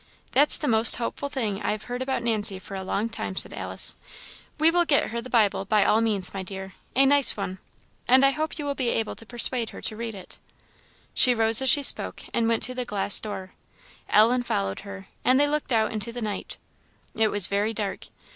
"That's the most hopeful thing I have heard about Nancy for a long time," said Alice. "We will get her the Bible by all means, my dear a nice one and I hope you will be able to persuade her to read it." She rose as she spoke, and went to the glass door. Ellen followed her, and they looked out into the night. It was very dark.